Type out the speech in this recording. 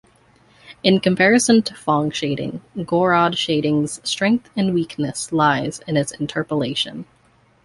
In comparison to Phong shading, Gouraud shading's strength and weakness lies in its interpolation.